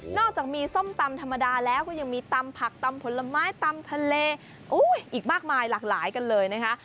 อกจากมีส้มตำธรรมดาแล้วก็ยังมีตำผักตำผลไม้ตำทะเลอีกมากมายหลากหลายกันเลยนะคะ